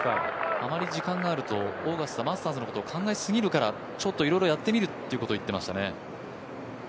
あまり時間があるとオーガスタマスターズのことを考えてしまうからちょっといろいろやってみるっていうことを言ってましたね。